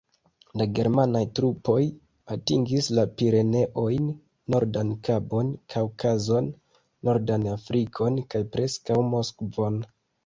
La germanaj trupoj atingis la Pireneojn, Nordan Kabon, Kaŭkazon, Nordan Afrikon kaj preskaŭ Moskvon.